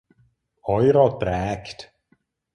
Euro trägt.